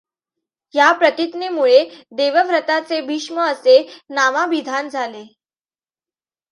या प्रतिज्ञेमुळे देवव्रताचे भीष्म असे नामाभिधान झाले.